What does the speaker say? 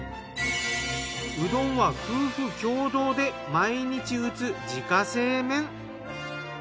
うどんは夫婦共同で毎日打つ自家製麺。